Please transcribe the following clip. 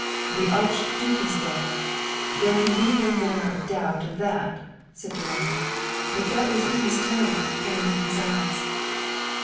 The Archduke is dead; there can be no manner of doubt of that," said Durand; but doubt was in his tone and in his eyes.